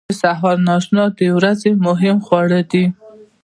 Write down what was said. د سهار ناشته د ورځې مهم خواړه دي.